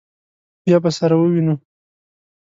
بیا به سره ووینو.